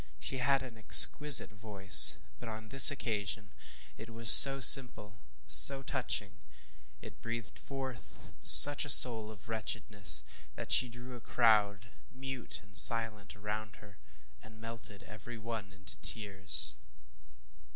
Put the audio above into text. She had an exquisite, voice; but on this occasion it was so simple, so touching, it breathed forth such a soul of wretchedness that she drew a crowd, mute and silent, around her and melted every one into tears.